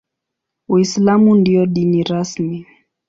Uislamu ndio dini rasmi.